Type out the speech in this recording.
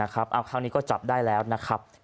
คราวนี้ก็จับได้แล้วนะครับ